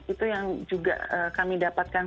itu yang juga kami dapatkan